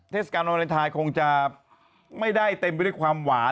เทศกาลวาเลนไทยคงจะไม่ได้เต็มไปด้วยความหวาน